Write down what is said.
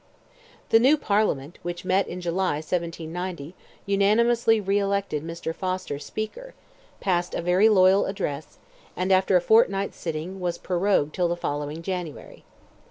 The new Parliament, which met in July, 1790, unanimously re elected Mr. Foster, Speaker; passed a very loyal address, and, after a fortnight's sitting, was prorogued till the following January.